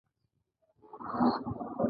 د ګرځېدو او تفریح کولو پلان مو جوړ کړ.